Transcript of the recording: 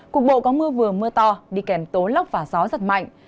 cục bộ có mưa vừa mưa to đi kèm tố lốc và gió giật mạnh